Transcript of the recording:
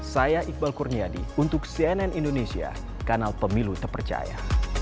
saya iqbal kurniadi untuk cnn indonesia kanal pemilu terpercaya